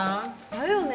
だよね